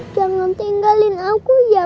jangan tinggalin aku ya